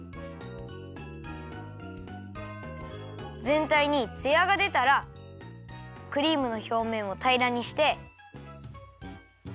ぜんたいにツヤがでたらクリームのひょうめんをたいらにして。